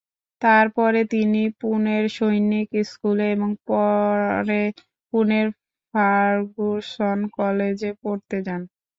তারপরে তিনি পুনের সৈনিক স্কুলে এবং পরে পুনের ফার্গুসন কলেজে পড়তে যান।